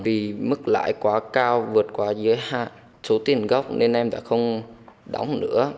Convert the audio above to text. vì mức lãi quá cao vượt quá dưới hạng số tiền gốc nên em đã không đóng nữa